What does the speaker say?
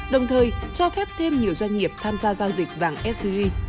đồng thời cho phép thêm nhiều doanh nghiệp tham gia giao dịch vàng sg